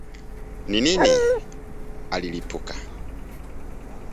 “Nini?” alilipuka